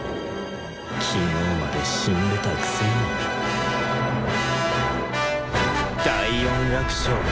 昨日まで死んでたくせに第４楽章